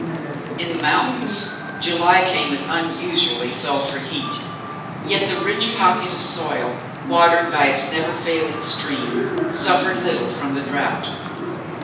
In the mountains, July came with unusually sultry heat, yet the rich pocket of soil, watered by its never failing stream, suffered little from the drought.